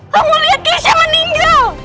hangul ya keesokan ini